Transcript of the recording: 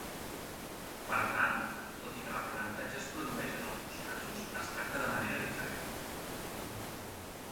Per tant, tot i que l'aprenentatge es produeix en els dos casos, es tracta de manera diferent.